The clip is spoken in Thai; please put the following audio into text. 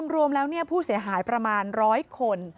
รวมแล้วผู้เสียหายประมาณ๑๐๐คน